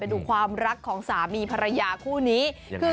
ดูความรักของสามีภรรยาคู่นี้คือ